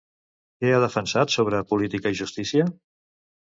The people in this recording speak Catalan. Què ha defensat sobre política i justícia?